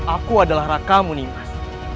aku adalah rakamu nimas